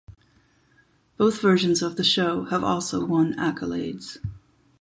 Both versions of the show have also won accolades.